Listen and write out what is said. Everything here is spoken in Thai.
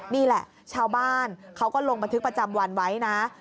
นี่แหละชาวบ้านเขาก็ลงบันทึกประจำวันไว้นะ